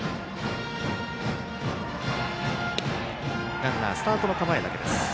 ランナーはスタートの構えだけ。